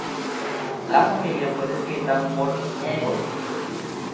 La familia fue descrita por Engl.